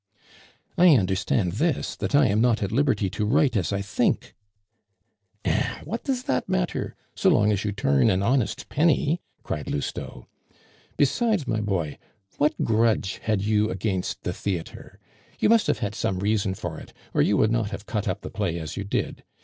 "I understand this, that I am not at liberty to write as I think " "Eh! what does that matter, so long as you turn an honest penny?" cried Lousteau. "Besides, my boy, what grudge had you against the theatre? You must have had some reason for it, or you would not have cut up the play as you did.